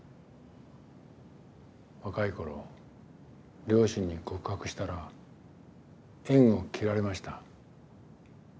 若い頃両親に告白したら縁を切られました。